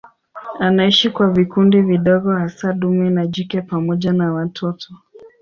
Anaishi kwa vikundi vidogo hasa dume na jike pamoja na watoto.